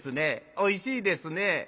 おいしいですね。